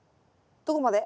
どこまで？